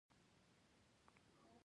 بیا مې ویل هسې نه راته ووایي.